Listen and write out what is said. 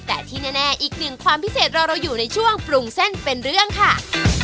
แต่ที่แน่อีกหนึ่งความพิเศษเราเราอยู่ในช่วงปรุงเส้นเป็นเรื่องค่ะ